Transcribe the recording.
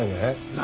何！？